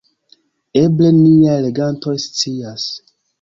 Eble niaj legantoj scias.